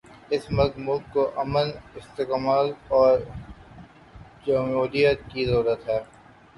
اس وقت ملک کو امن، استحکام اور جمہوریت کی ضرورت ہے۔